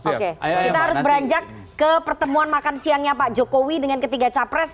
oke kita harus beranjak ke pertemuan makan siangnya pak jokowi dengan ketiga capres